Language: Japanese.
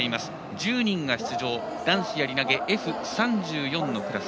１０人が出場男子やり投げＦ３４のクラス。